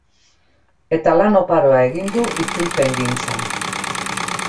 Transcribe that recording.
Eta lan oparoa egin du itzulpengintzan.